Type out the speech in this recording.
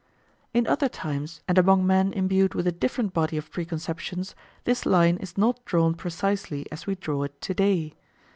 In other times and among men imbued with a different body of preconceptions this line is not drawn precisely as we draw it to day.